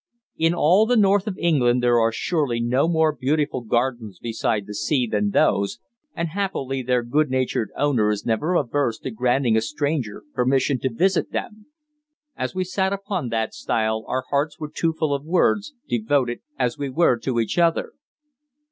In all the north of England there are surely no more beautiful gardens beside the sea than those, and happily their good natured owner is never averse to granting a stranger permission to visit them. As we now sat upon that stile our hearts were too full for words, devoted as we were to each other.